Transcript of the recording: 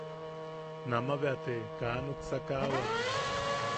Nama bea te kaa nuksakawak.